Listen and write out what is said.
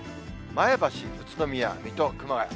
前橋、宇都宮、水戸、熊谷。